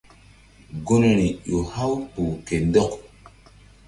Gunri ƴo haw kpuh ke ndɔk.